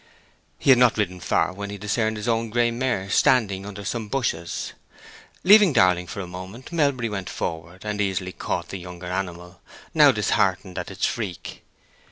He had not ridden far when he discerned his own gray mare standing under some bushes. Leaving Darling for a moment, Melbury went forward and easily caught the younger animal, now disheartened at its freak.